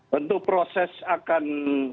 tentu proses akan